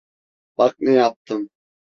Bak ne yaptım.